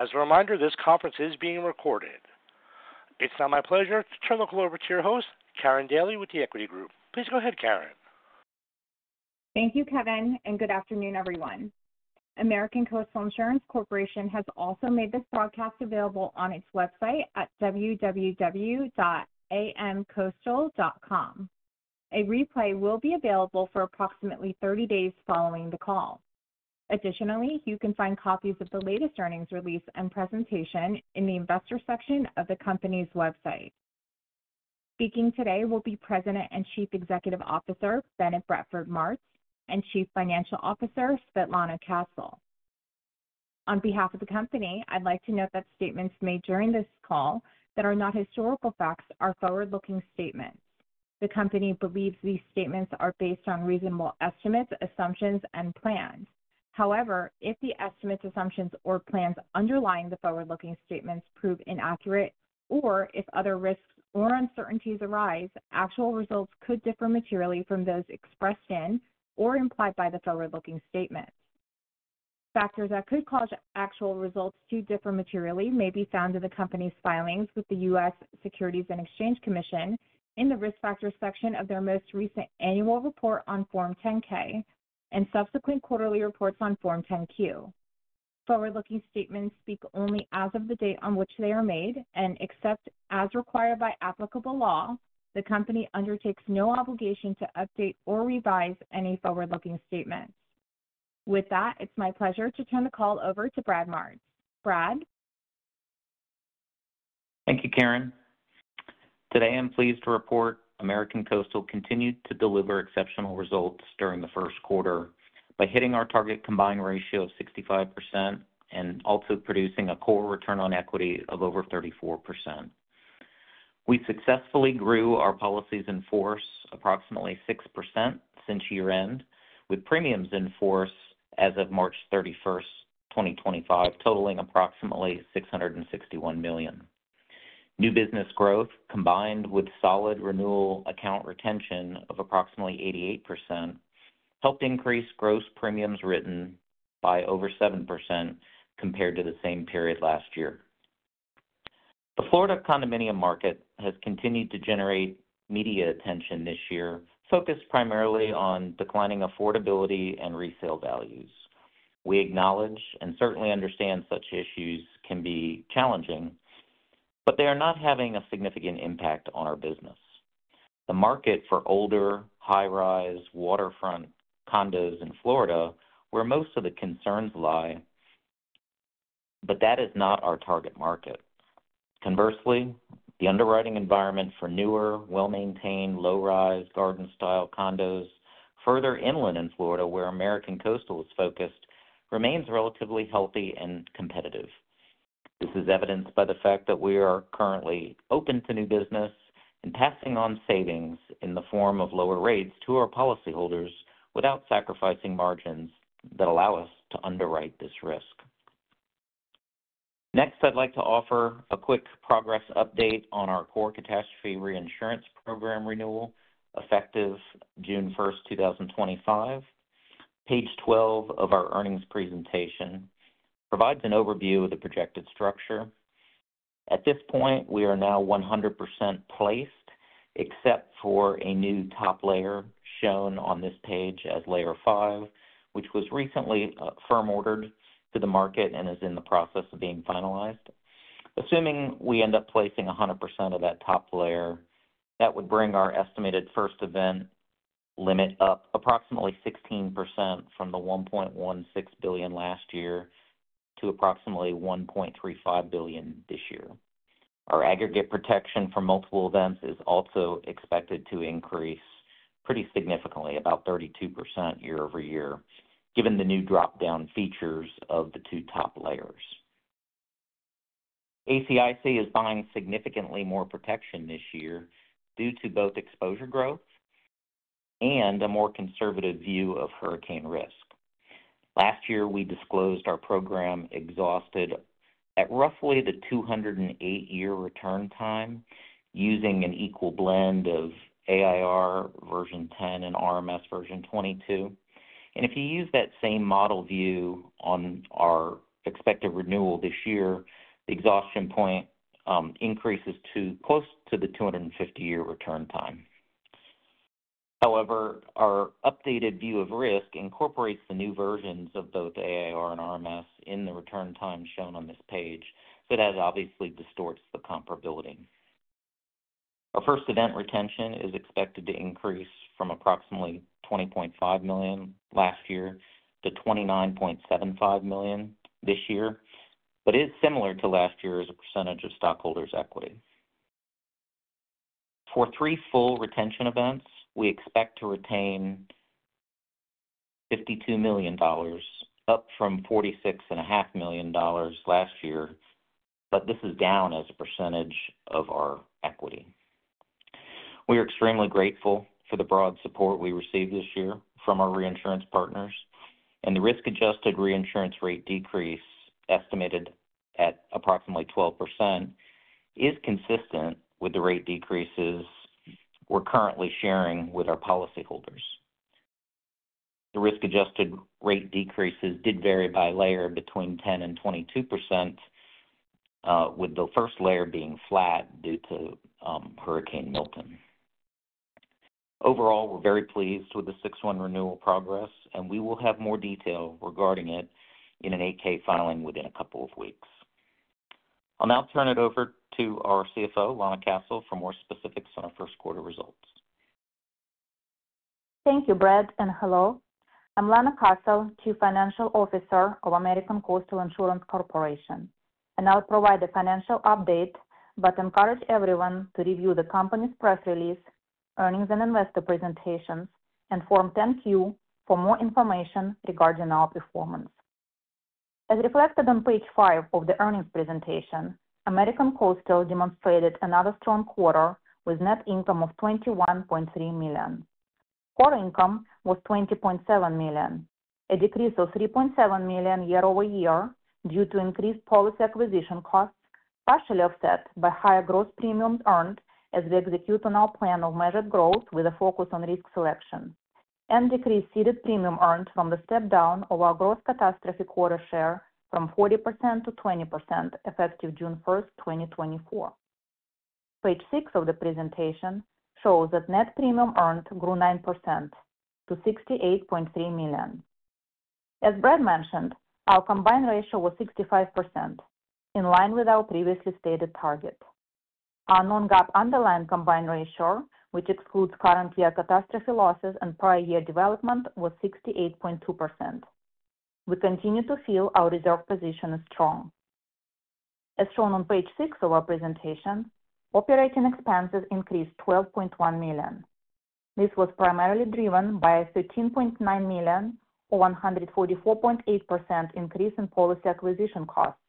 As a reminder, this conference is being recorded. It's now my pleasure to turn the call over to your host, Karin Daly, with The Equity Group. Please go ahead, Karin. Thank you, Kevin, and good afternoon, everyone. American Coastal Insurance Corporation has also made this broadcast available on its website at www.amcoastal.com. A replay will be available for approximately 30 days following the call. Additionally, you can find copies of the latest earnings release and presentation in the investor section of the company's website. Speaking today will be President and Chief Executive Officer, Bennett Bradford Martz, and Chief Financial Officer, Svetlana Castle. On behalf of the company, I'd like to note that statements made during this call that are not historical facts are forward-looking statements. The company believes these statements are based on reasonable estimates, assumptions, and plans. However, if the estimates, assumptions, or plans underlying the forward-looking statements prove inaccurate, or if other risks or uncertainties arise, actual results could differ materially from those expressed in or implied by the forward-looking statements. Factors that could cause actual results to differ materially may be found in the company's filings with the U.S. Securities and Exchange Commission in the risk factors section of their most recent annual report on Form 10-K and subsequent quarterly reports on Form 10-Q. Forward-looking statements speak only as of the date on which they are made and, except as required by applicable law, the company undertakes no obligation to update or revise any forward-looking statements. With that, it's my pleasure to turn the call over to Brad Martz. Brad? Thank you, Karin. Today, I'm pleased to report American Coastal continued to deliver exceptional results during the first quarter by hitting our target combined ratio of 65% and also producing a core return on equity of over 34%. We successfully grew our policies in force approximately 6% since year-end, with premiums in force as of March 31, 2025, totaling approximately $661 million. New business growth, combined with solid renewal account retention of approximately 88%, helped increase gross premiums written by over 7% compared to the same period last year. The Florida condominium market has continued to generate media attention this year, focused primarily on declining affordability and resale values. We acknowledge and certainly understand such issues can be challenging, but they are not having a significant impact on our business. The market for older, high-rise, waterfront condos in Florida where most of the concerns lie, but that is not our target market. Conversely, the underwriting environment for newer, well-maintained, low-rise, garden-style condos further inland in Florida where American Coastal is focused remains relatively healthy and competitive. This is evidenced by the fact that we are currently open to new business and passing on savings in the form of lower rates to our policyholders without sacrificing margins that allow us to underwrite this risk. Next, I'd like to offer a quick progress update on our Core Catastrophe Reinsurance Program renewal effective June 1, 2025. Page 12 of our earnings presentation provides an overview of the projected structure. At this point, we are now 100% placed, except for a new top layer shown on this page as Layer 5, which was recently firm-ordered to the market and is in the process of being finalized. Assuming we end up placing 100% of that top layer, that would bring our estimated first event limit up approximately 16% from the $1.16 billion last year to approximately $1.35 billion this year. Our aggregate protection for multiple events is also expected to increase pretty significantly, about 32% year-over-year, given the new drop-down features of the two top layers. ACIC is buying significantly more protection this year due to both exposure growth and a more conservative view of hurricane risk. Last year, we disclosed our program exhausted at roughly the 208-year return time using an equal blend of AIR version 10 and RMS version 22. If you use that same model view on our expected renewal this year, the exhaustion point increases to close to the 250-year return time. However, our updated view of risk incorporates the new versions of both AIR and RMS in the return time shown on this page, so that obviously distorts the comparability. Our first event retention is expected to increase from approximately $20.5 million last year to $29.75 million this year, but it is similar to last year as a percentage of stockholders' equity. For three full retention events, we expect to retain $52 million, up from $46.5 million last year, but this is down as a percentage of our equity. We are extremely grateful for the broad support we received this year from our reinsurance partners, and the risk-adjusted reinsurance rate decrease estimated at approximately 12% is consistent with the rate decreases we're currently sharing with our policyholders. The risk-adjusted rate decreases did vary by layer between 10-22%, with the first layer being flat due to Hurricane Milton. Overall, we're very pleased with the six-one renewal progress, and we will have more detail regarding it in an 8-K filing within a couple of weeks. I'll now turn it over to our CFO, Lana Castle, for more specifics on our first quarter results. Thank you, Brad, and hello. I'm Lana Castle, Chief Financial Officer of American Coastal Insurance Corporation, and I'll provide a financial update but encourage everyone to review the company's press release, earnings, and investor presentations, and Form 10-Q for more information regarding our performance. As reflected on page 5 of the earnings presentation, American Coastal demonstrated another strong quarter with net income of $21.3 million. Core income was $20.7 million, a decrease of $3.7 million year-over-year due to increased policy acquisition costs, partially offset by higher gross premiums earned as we execute on our plan of measured growth with a focus on risk selection, and decreased ceded premium earned from the step-down of our gross catastrophe quota share from 40% to 20% effective June 1, 2024. Page 6 of the presentation shows that net premium earned grew 9% to $68.3 million. As Brad mentioned, our combined ratio was 65%, in line with our previously stated target. Our non-GAAP underlying combined ratio, which excludes current year catastrophe losses and prior year development, was 68.2%. We continue to feel our reserve position is strong. As shown on page 6 of our presentation, operating expenses increased $12.1 million. This was primarily driven by a $13.9 million, or 144.8%, increase in policy acquisition costs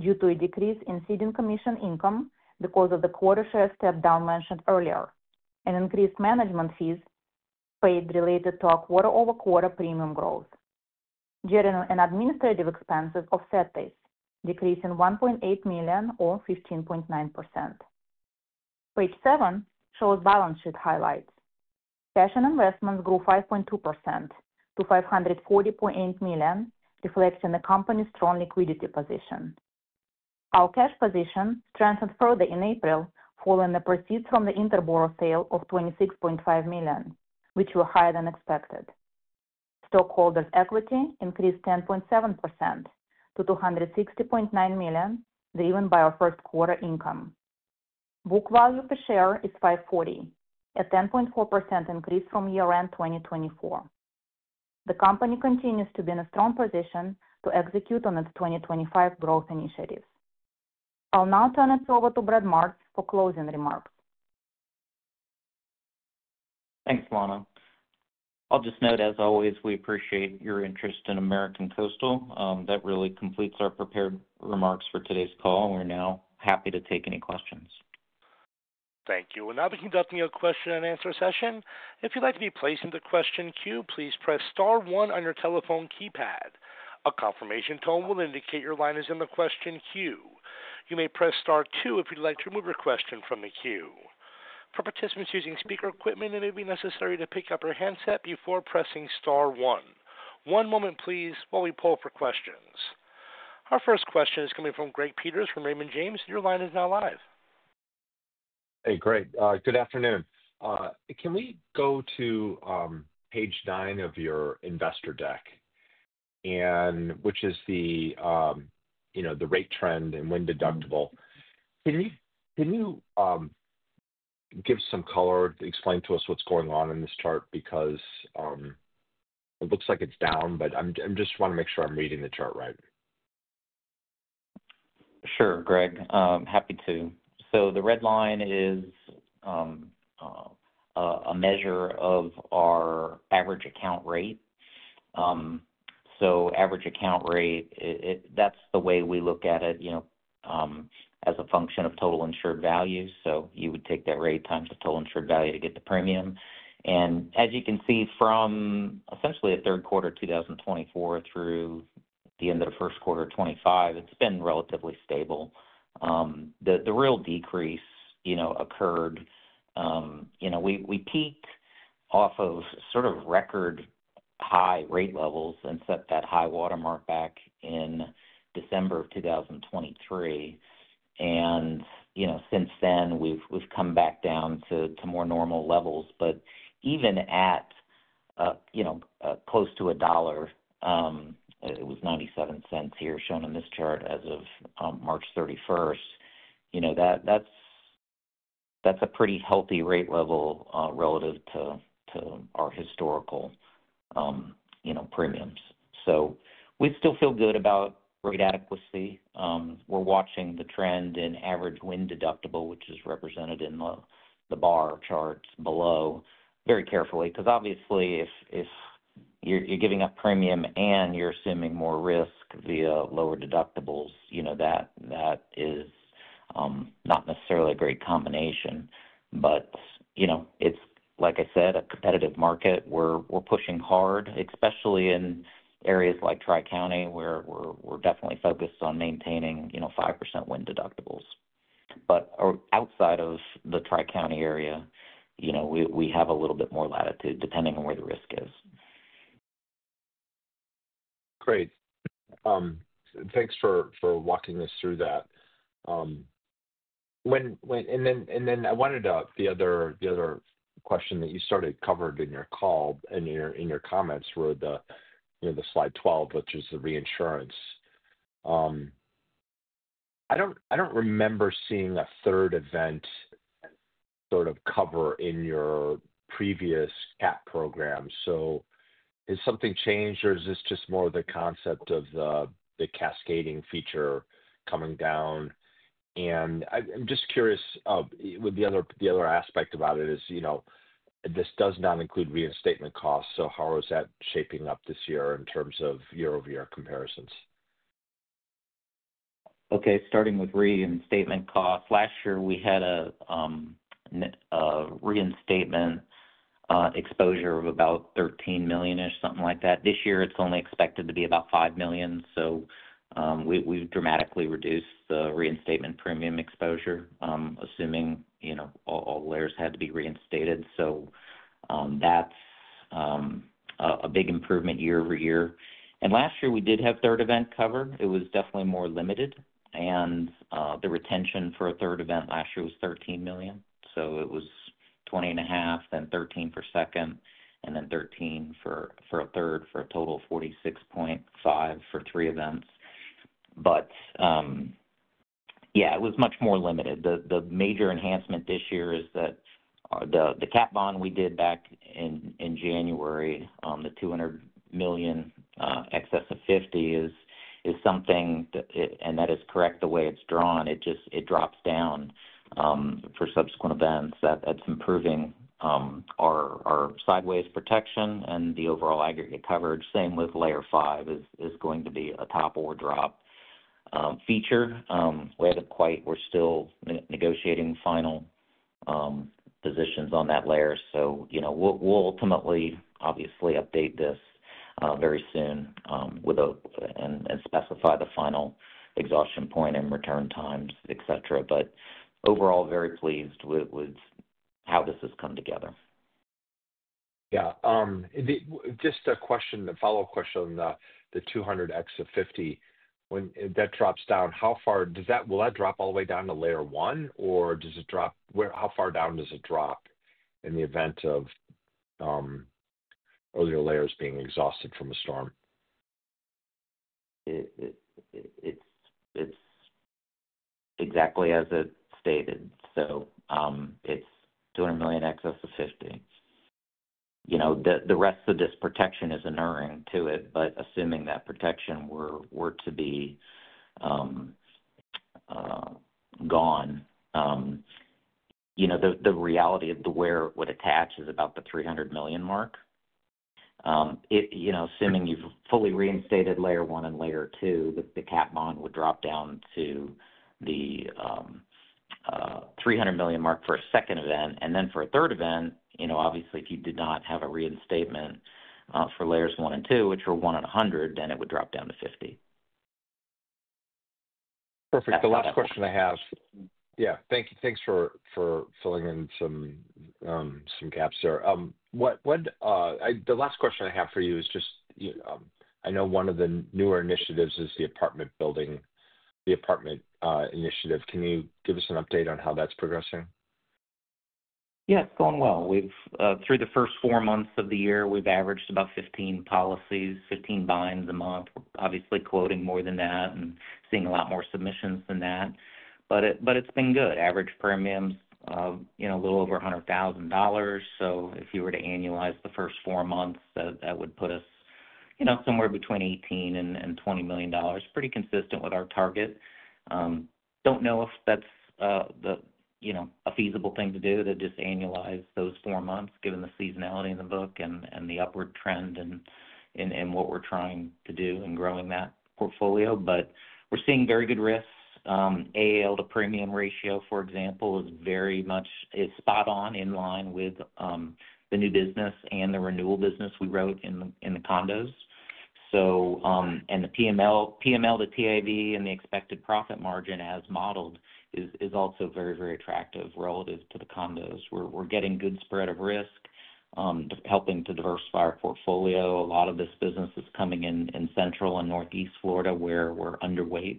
due to a decrease in ceding commission income because of the quota share step-down mentioned earlier, and increased management fees paid related to our quarter-over-quarter premium growth. General and administrative expenses offset this, decreasing $1.8 million, or 15.9%. Page 7 shows balance sheet highlights. Cash and investments grew 5.2% to $540.8 million, reflecting the company's strong liquidity position. Our cash position strengthened further in April following the proceeds from the intercompany borrow sale of $26.5 million, which were higher than expected. Stockholders' equity increased 10.7% to $260.9 million, driven by our first quarter income. Book value per share is $540, a 10.4% increase from year-end 2024. The company continues to be in a strong position to execute on its 2025 growth initiatives. I'll now turn it over to Brad Martz for closing remarks. Thanks, Lana. I'll just note, as always, we appreciate your interest in American Coastal. That really completes our prepared remarks for today's call, and we're now happy to take any questions. Thank you. We'll now be conducting a question-and-answer session. If you'd like to be placed in the question queue, please press Star one on your telephone keypad. A confirmation tone will indicate your line is in the question queue. You may press Star two if you'd like to remove your question from the queue. For participants using speaker equipment, it may be necessary to pick up your handset before pressing Star one. One moment, please, while we pull up your questions. Our first question is coming from Greg Peters from Raymond James. Your line is now live. Hey, Greg. Good afternoon. Can we go to page nine of your investor deck, which is the rate trend and wind deductible? Can you give some color, explain to us what's going on in this chart? Because it looks like it's down, but I just want to make sure I'm reading the chart right. Sure, Greg. Happy to. The red line is a measure of our average account rate. Average account rate, that's the way we look at it as a function of total insured value. You would take that rate times the total insured value to get the premium. As you can see from essentially the third quarter of 2024 through the end of the first quarter of 2025, it's been relatively stable. The real decrease occurred. We peaked off of sort of record high rate levels and set that high watermark back in December of 2023. Since then, we've come back down to more normal levels. Even at close to $1, it was $0.97 here, shown on this chart as of March 31. That's a pretty healthy rate level relative to our historical premiums. We still feel good about rate adequacy. We're watching the trend in average wind deductible, which is represented in the bar charts below, very carefully. Because obviously, if you're giving up premium and you're assuming more risk via lower deductibles, that is not necessarily a great combination. But it's, like I said, a competitive market. We're pushing hard, especially in areas like Tri-County where we're definitely focused on maintaining 5% wind deductibles. But outside of the Tri-County area, we have a little bit more latitude depending on where the risk is. Great. Thanks for walking us through that. I wanted to add the other question that you started covered in your call and in your comments were the slide 12, which is the reinsurance. I do not remember seeing a third event sort of cover in your previous CAP program. Has something changed, or is this just more of the concept of the cascading feature coming down? I am just curious, the other aspect about it is this does not include reinstatement costs. How is that shaping up this year in terms of year-over-year comparisons? Okay. Starting with reinstatement costs, last year we had a reinstatement exposure of about $13 million-ish, something like that. This year, it's only expected to be about $5 million. We've dramatically reduced the reinstatement premium exposure, assuming all layers had to be reinstated. That's a big improvement year-over-year. Last year, we did have third event cover. It was definitely more limited. The retention for a third event last year was $13 million. It was $20.5 million, then $13 million per second, and then $13 million for a third for a total of $46.5 million for three events. It was much more limited. The major enhancement this year is that the cat bond we did back in January, the $200 million excess of $50 million, is something that, and that is correct the way it's drawn, it drops down for subsequent events. That's improving our sideways protection and the overall aggregate coverage. Same with Layer 5 is going to be a top-order drop feature. We're still negotiating final positions on that layer. We'll ultimately, obviously, update this very soon and specify the final exhaustion point and return times, etc. Overall, very pleased with how this has come together. Yeah. Just a follow-up question on the $200 million excess of $50 million. When that drops down, how far will that drop all the way down to Layer 1, or how far down does it drop in the event of earlier layers being exhausted from a storm? It's exactly as it stated. So it's $200 million excess of $50 million. The rest of this protection is inhering to it, but assuming that protection were to be gone, the reality of where it would attach is about the $300 million mark. Assuming you've fully reinstated Layer one and Layer two, the cat bond would drop down to the $300 million mark for a second event. And then for a third event, obviously, if you did not have a reinstatement for layers one and two, which were one and 100, then it would drop down to $50 million. Perfect. The last question I have. Yeah. Thanks for filling in some gaps there. The last question I have for you is just I know one of the newer initiatives is the apartment building, the apartment initiative. Can you give us an update on how that's progressing? Yeah, it's going well. Through the first four months of the year, we've averaged about 15 policies, 15 binds a month, obviously quoting more than that and seeing a lot more submissions than that. It's been good. Average premiums a little over $100,000. If you were to annualize the first four months, that would put us somewhere between $18 million and $20 million. Pretty consistent with our target. I don't know if that's a feasible thing to do, to just annualize those four months, given the seasonality in the book and the upward trend and what we're trying to do in growing that portfolio. We're seeing very good risks. AAL to premium ratio, for example, is spot on in line with the new business and the renewal business we wrote in the condos. The PML to TAV and the expected profit margin as modeled is also very, very attractive relative to the condos. We're getting good spread of risk, helping to diversify our portfolio. A lot of this business is coming in central and northeast Florida where we're underweight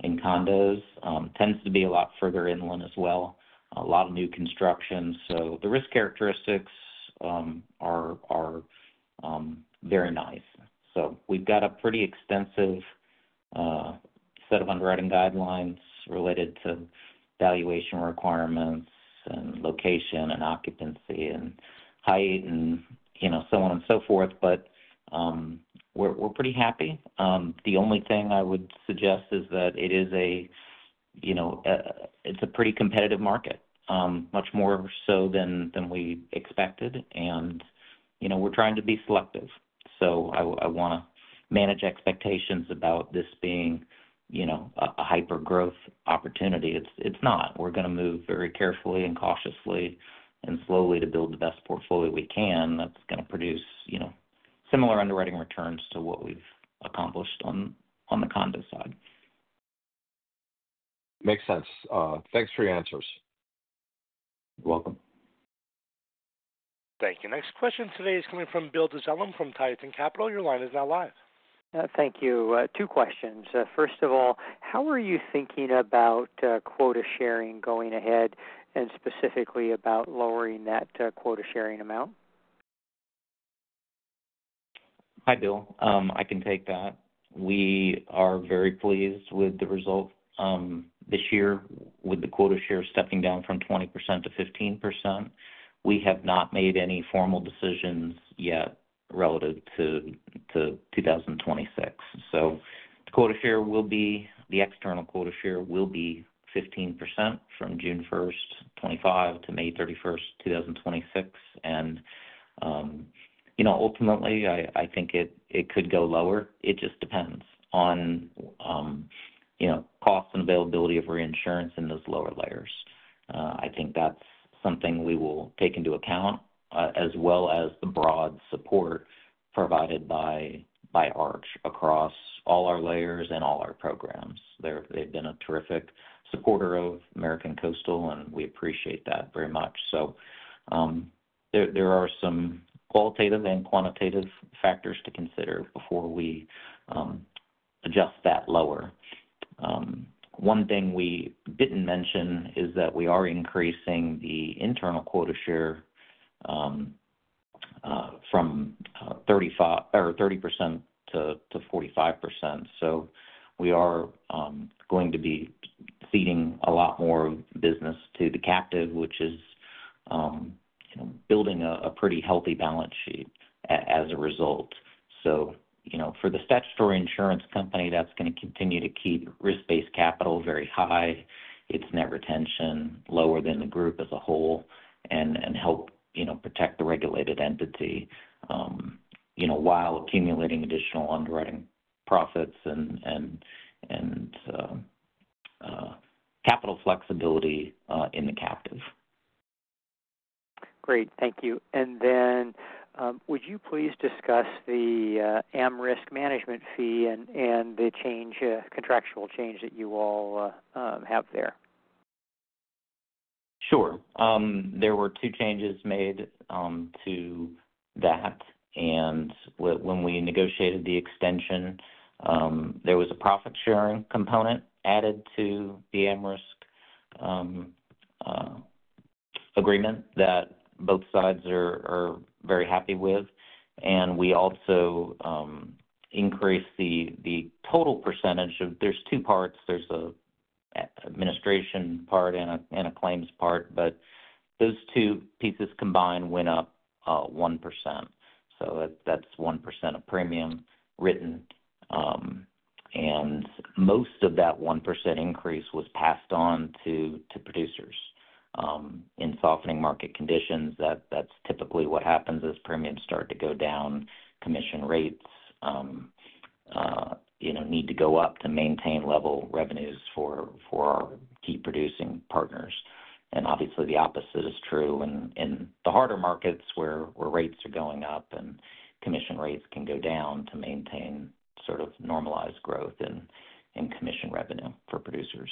in condos. Tends to be a lot further inland as well. A lot of new construction. The risk characteristics are very nice. We've got a pretty extensive set of underwriting guidelines related to valuation requirements and location and occupancy and height and so on and so forth. We're pretty happy. The only thing I would suggest is that it is a pretty competitive market, much more so than we expected. We're trying to be selective. I want to manage expectations about this being a hyper-growth opportunity. It's not. We're going to move very carefully and cautiously and slowly to build the best portfolio we can that's going to produce similar underwriting returns to what we've accomplished on the condo side. Makes sense. Thanks for your answers. You're welcome. Thank you. Next question today is coming from Bill Dezellem from Tituson Capital. Your line is now live. Thank you. Two questions. First of all, how are you thinking about quota sharing going ahead and specifically about lowering that quota sharing amount? Hi, Bill. I can take that. We are very pleased with the result this year with the quota share stepping down from 20% to 15%. We have not made any formal decisions yet relative to 2026. The quota share will be, the external quota share will be 15% from June 1, 2025 to May 31, 2026. Ultimately, I think it could go lower. It just depends on cost and availability of reinsurance in those lower layers. I think that's something we will take into account as well as the broad support provided by Arch across all our layers and all our programs. They've been a terrific supporter of American Coastal, and we appreciate that very much. There are some qualitative and quantitative factors to consider before we adjust that lower. One thing we didn't mention is that we are increasing the internal quota share from 30% to 45%. We are going to be feeding a lot more business to the captive, which is building a pretty healthy balance sheet as a result. For the statutory insurance company, that's going to continue to keep risk-based capital very high, its net retention lower than the group as a whole, and help protect the regulated entity while accumulating additional underwriting profits and capital flexibility in the captive. Great. Thank you. Would you please discuss the AmRisc management fee and the contractual change that you all have there? Sure. There were two changes made to that. When we negotiated the extension, there was a profit-sharing component added to the AmRisc agreement that both sides are very happy with. We also increased the total percentage of, there are two parts. There is an administration part and a claims part. Those two pieces combined went up 1%. That is 1% of premium written. Most of that 1% increase was passed on to producers. In softening market conditions, that is typically what happens as premiums start to go down. Commission rates need to go up to maintain level revenues for our key producing partners. Obviously, the opposite is true in the harder markets where rates are going up and commission rates can go down to maintain sort of normalized growth in commission revenue for producers.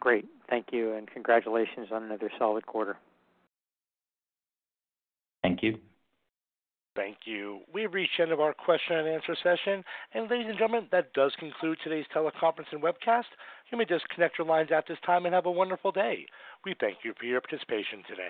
Great. Thank you. Congratulations on another solid quarter. Thank you. Thank you. We've reached the end of our question and answer session. Ladies and gentlemen, that does conclude today's teleconference and webcast. You may disconnect your lines at this time and have a wonderful day. We thank you for your participation today.